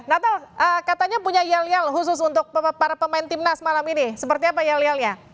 natal katanya punya yel yel khusus untuk para pemain timnas malam ini seperti apa yel yelnya